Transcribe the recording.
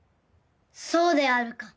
そうであるか。